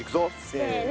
せの。